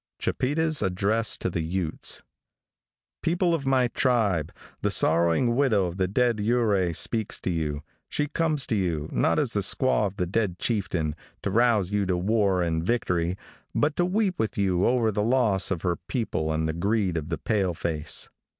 CHIPETA'S ADDRESS TO THE UTES. |PEOPLE of my tribe! the sorrowing widow of the dead Ouray speaks to you. She comes to you, not as the squaw of the dead chieftain, to rouse you to war and victory, but to weep with you over the loss of her people and the greed of the pale face.